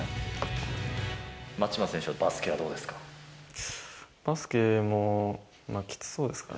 松島選手はバスケはどうですか？